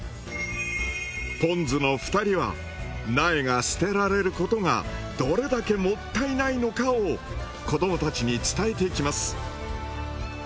ポンズの２人は苗が捨てられることがどれだけもったいないのかを子どもたちに伝えていきます。